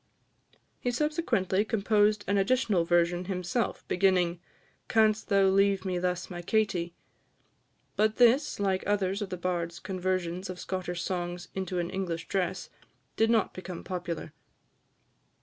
He subsequently composed an additional version himself, beginning, "Canst thou leave me thus, my Katie?" but this, like others of the bard's conversions of Scottish songs into an English dress, did not become popular.